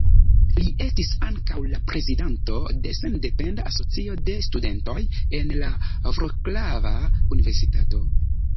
Li estis ankaŭ la prezidanto de Sendependa Asocio de Studentoj en la Vroclava Universitato.